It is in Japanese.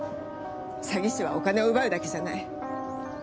詐欺師はお金を奪うだけじゃない。